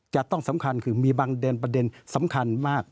จะต้องสำคัญคือมีบางแดนประเด็นสำคัญมาก